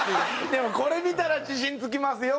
でもこれ見たら自信つきますよ